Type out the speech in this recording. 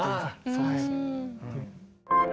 そうです。